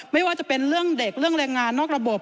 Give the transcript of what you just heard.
ไม่ว่าจะเป็นเรื่องเด็กเรื่องแรงงานนอกระบบ